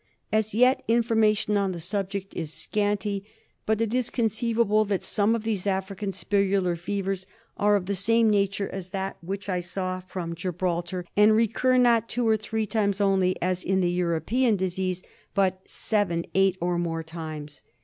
As yet. information on the subject is scanty; but it is conceivable that some of these African spirillar fevers are of the same nature as that which I saw from Gibraltar, and recur not two or three times only, as in the European disease, but seven, eight, or more times.